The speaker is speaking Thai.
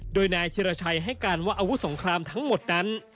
โดยนายธิรชัยให้การว่าอาวุธสงครามทั้งหมดนั้น